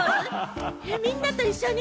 みんなと一緒に？